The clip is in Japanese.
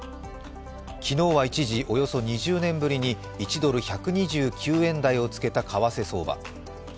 昨日は一時およそ２０年ぶりに１ドル＝１２９円台をつけた為替相場。